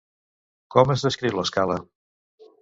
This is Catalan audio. Com es descriu l'escala?